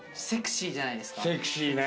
セクシーじゃないですか。